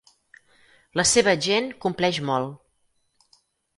La seva gent compleix molt.